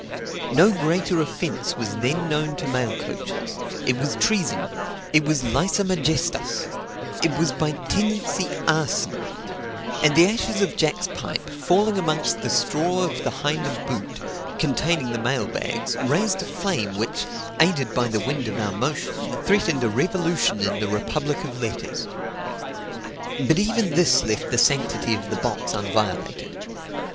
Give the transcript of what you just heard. No greater offence was then known to mail coaches; it was treason, it was læsa majestas, it was by tendency arson; and the ashes of Jack's pipe, falling amongst the straw of the hinder boot, containing the mail bags, raised a flame which (aided by the wind of our motion) threatened a revolution in the republic of letters. But even this left the sanctity of the box unviolated.